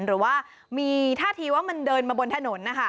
หรือว่ามีท่าทีว่ามันเดินมาบนถนนนะคะ